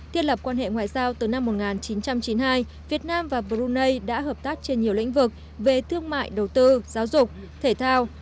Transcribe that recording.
thiết lập quan hệ ngoại giao từ năm một nghìn chín trăm chín mươi hai việt nam và brunei đã hợp tác trên nhiều lĩnh vực về thương mại đầu tư giáo dục thể thao